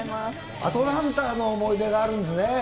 アトランタの思い出があるんですね。